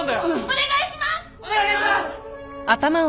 お願いします！